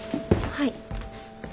はい。